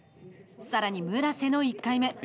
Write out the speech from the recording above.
さらに村瀬の１回目。